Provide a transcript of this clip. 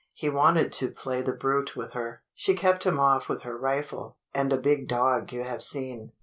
He wanted to play the brute with her. She kept him off with her rifle, and a big dog you have seen.